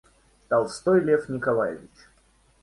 Толстой Лев Николаевич.